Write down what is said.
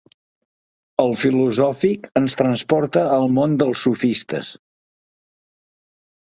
El filosòfic ens transporta al món dels sofistes.